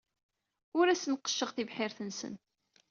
Ur asen-neqqceɣ tibḥirt-nsen.